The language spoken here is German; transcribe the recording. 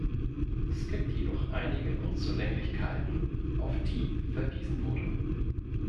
Es gibt jedoch einige Unzulänglichkeiten, auf die verwiesen wurde.